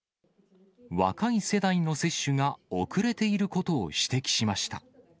若い世代の接種が遅れていることを指摘しました。